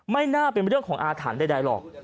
ไม่น่าเป็นเรื่องของอาถรรพ์ใดหรอก